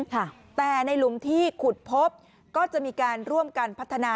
แต่ในหลุมที่ขุดพบก็จะมีการร่วมกันพัฒนา